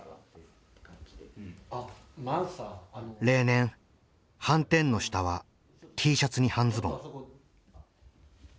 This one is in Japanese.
例年半纏の下はＴシャツに半ズボン。